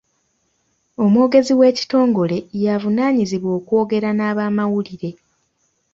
Omwogezi w'ekitongole y'avunaanyizibwa okwogera n'abamawulire.